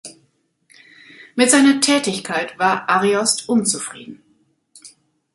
Mit seiner Tätigkeit war Ariost unzufrieden.